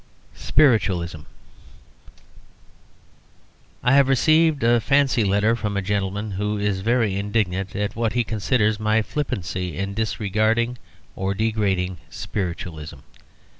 SPIRITUALISM. I Have received a letter from a gentleman who is very indignant at what he considers my flippancy in disregarding or degrading Spiritualism.